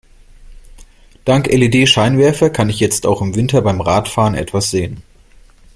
Dank LED-Scheinwerfer kann ich jetzt auch im Winter beim Radfahren etwas sehen.